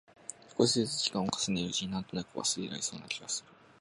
少しづつ時間を重ねるうちに、なんとなく忘れられそうな気がする。